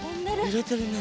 ゆれてるね。